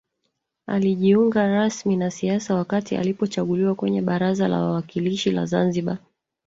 Alijiunga rasmi na siasa wakati alipochaguliwa kwenye baraza la wawakilishi la Zanzibar